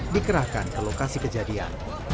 dikerahkan ke lokasi kejadian